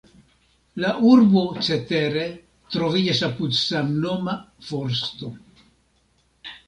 La urbo cetere troviĝas apud samnoma forsto.